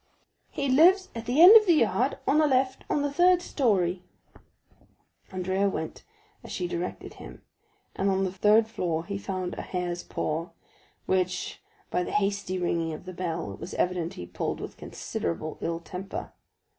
"He lives at the end of the yard, on the left, on the third story." 40132m Andrea went as she directed him, and on the third floor he found a hare's paw, which, by the hasty ringing of the bell, it was evident he pulled with considerable ill temper.